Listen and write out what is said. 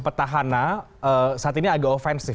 petahana saat ini agak ofensif